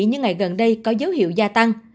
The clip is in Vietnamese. như ngày gần đây có dấu hiệu gia tăng